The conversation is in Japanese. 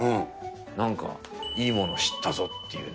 なんかいいものを知ったぞっていうね。